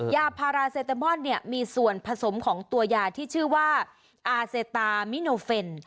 ยาพาราเซตามอนเนี่ยมีส่วนผสมของตัวยาที่ชื่อว่าอาเซตามิโนเฟน